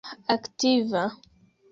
aktiva